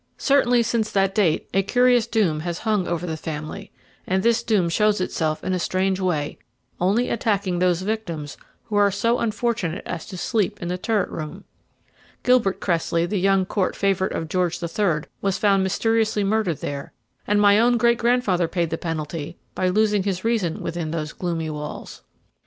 Certainly since that date a curious doom has hung over the family, and this doom shows itself in a strange way, only attacking those victims who are so unfortunate as to sleep in the turret room. Gilbert Cressley, the young Court favourite of George the Third, was found mysteriously murdered there, and my own great grandfather paid the penalty by losing his reason within those gloomy walls."